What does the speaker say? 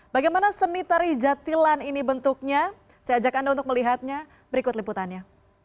bagaimana seni tari jatilan ini bentuknya saya ajak anda untuk melihatnya berikut liputannya